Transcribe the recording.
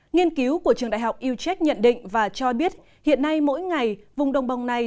nghiên cứu của trường đại học yucheck nhận định và cho biết hiện nay mỗi ngày vùng đồng bằng này